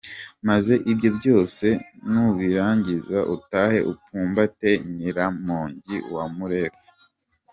Maze ibyo byose nubirangiza utahe upfumbate Nyiramongi wa Murefu.